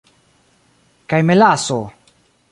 Kaj melaso!